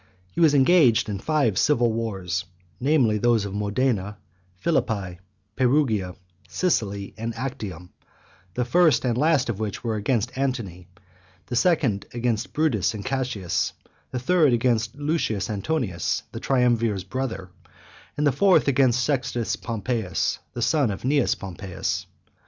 He was engaged in five civil wars, namely those of Modena, Philippi, Perugia, Sicily, and Actium; the first and last of which were against Antony, and the second against Brutus and Cassius; the third against Lucius Antonius, the triumvir's brother, and the fourth against Sextus Pompeius, the son of Cneius Pompeius.